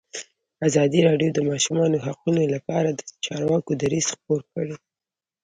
ازادي راډیو د د ماشومانو حقونه لپاره د چارواکو دریځ خپور کړی.